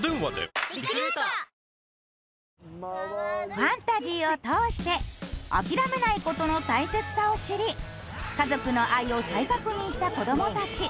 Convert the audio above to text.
ファンタジーを通して諦めない事の大切さを知り家族の愛を再確認した子どもたち。